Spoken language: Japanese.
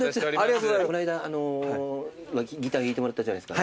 この間ギターを弾いてもらったじゃないですか。